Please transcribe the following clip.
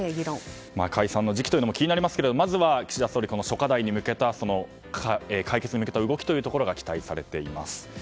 解散の時期も気になりますがまずは岸田総理、解決に向けた動きというところが期待されています。